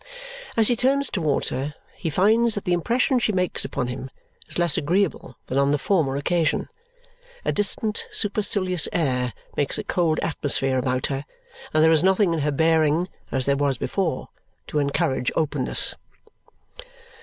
As he turns towards her, he finds that the impression she makes upon him is less agreeable than on the former occasion. A distant supercilious air makes a cold atmosphere about her, and there is nothing in her bearing, as there was before, to encourage openness.